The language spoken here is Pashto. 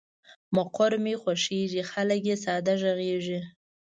مقر مې خوښېږي، خلګ یې ساده غږیږي.